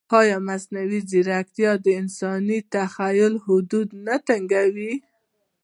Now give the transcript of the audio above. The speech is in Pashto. ایا مصنوعي ځیرکتیا د انساني تخیل حدود نه تنګوي؟